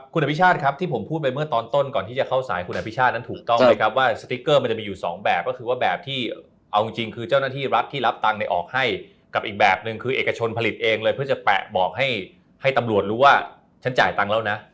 คุณอภิชาติครับที่ผมพูดไปเมื่อตอนต้นก่อนที่จะเข้าสายคุณอภิชาตินั้นถูกต้องไหมครับว่าสติ๊กเกอร์มันจะมีอยู่สองแบบก็คือว่าแบบที่เอาจริงคือเจ้าหน้าที่รัฐที่รับตังค์เนี่ยออกให้กับอีกแบบนึงคือเอกชนผลิตเองเลยเพื่อจะแปะบอกให้ตำรวจรู้ว่าฉันจ่ายตังค์แล้วนะ